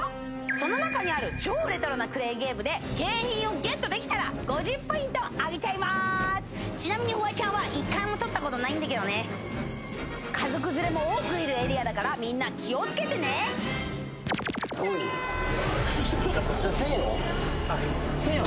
その中にある超レトロなクレーンゲームで景品をゲットできたら５０ポイントあげちゃいまーすちなみにフワちゃんは家族連れも多くいるエリアだからみんな気をつけてねじゃあ千円は？